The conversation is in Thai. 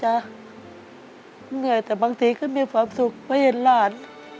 เหนื่อยแต่บางทีก็มีความสุขเพราะเห็นหลาน